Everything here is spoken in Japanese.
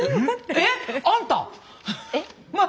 えっあんた！